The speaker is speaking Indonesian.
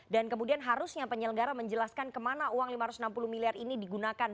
dan kemudian harusnya penyelenggara menjelaskan kemana uang rp lima ratus enam puluh miliar ini digunakan